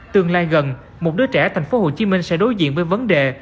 tương lai gần một đứa trẻ thành phố hồ chí minh sẽ đối diện với vấn đề